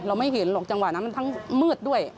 ไม่เห็นหรอกจังหวะนั้นมันทั้งมืดด้วย